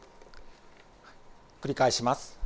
繰り返します。